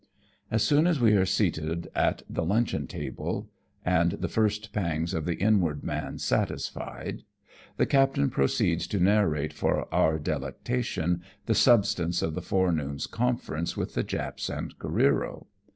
As soon as we are seated at the luncheon tabloj and the first pangs of the inward man satisfied, the captain proceeds to narrate for our delectation the substance of the forenoon's conference with the Japs and Careero.